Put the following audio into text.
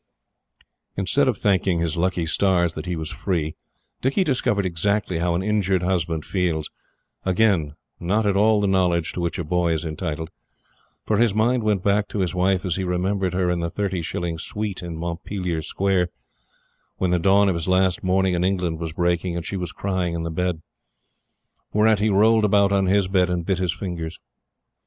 Instead of thanking his lucky stars that he was free, Dicky discovered exactly how an injured husband feels again, not at all the knowledge to which a boy is entitled for his mind went back to his wife as he remembered her in the thirty shilling "suite" in Montpelier Square, when the dawn of his last morning in England was breaking, and she was crying in the bed. Whereat he rolled about on his bed and bit his fingers.